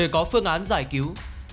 có phương án giải cứu